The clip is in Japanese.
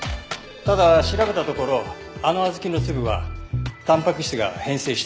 ただ調べたところあの小豆の粒はたんぱく質が変性していました。